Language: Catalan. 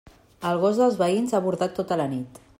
El gos dels veïns ha bordat tota la nit.